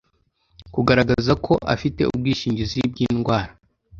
kugaragaza ko afite ubwishingizi bw indwara